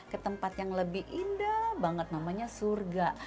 ke tempat yang lebih indah banget namanya surga